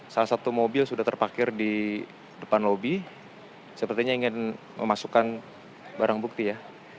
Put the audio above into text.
salah satu mobil sudah terpakir di depan lobi sepertinya ingin memasukkan barang bukti ya